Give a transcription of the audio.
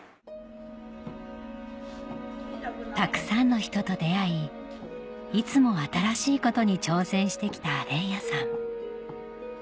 たくさんの人と出会いいつも新しいことに挑戦して来た連也さん